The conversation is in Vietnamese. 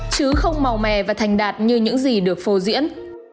chứ không màu mè và thành đạt như những gì được phô diễn